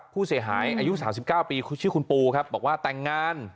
ผู้เสียหายอายุ๓๙ปีชื่อคุณปูครับบอกว่าแต่งงาน